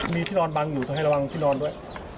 มีที่นอนบังอยู่ก็ให้ระวังที่นอนด้วย